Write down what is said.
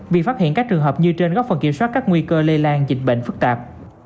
việc phát hiện các trường hợp như trên góp phần kiểm soát các nguy cơ lây lan dịch bệnh phức tạp